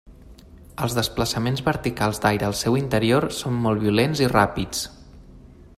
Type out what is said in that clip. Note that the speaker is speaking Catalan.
Els desplaçaments verticals d'aire al seu interior són molt violents i ràpids.